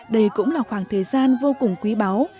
đây cũng là khoảng thời gian vô cùng quý báu